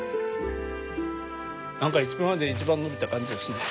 何か今までで一番伸びた感じがするね。